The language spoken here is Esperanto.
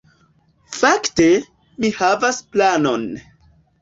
Fakte, mi havas planon